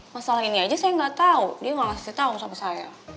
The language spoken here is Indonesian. masalah ini aja saya gak tau dia gak ngasih tau sama saya